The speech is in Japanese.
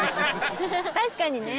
確かにね。